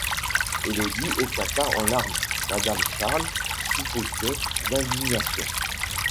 Élodie éclata en larmes, madame Charles suffoquait d’indignation.